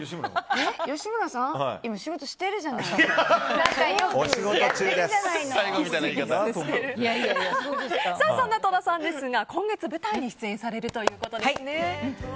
吉村さんはそんな戸田さんですが今月、舞台に出演されるということですね。